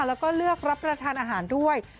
แล้วก็เลือกรับประทานอาหารด้วย